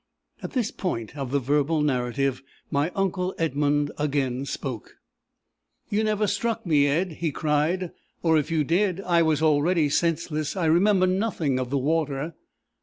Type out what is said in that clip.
At this point of the verbal narrative, my uncle Edmund again spoke. "You never struck me, Ed," he cried; "or if you did, I was already senseless. I remember nothing of the water."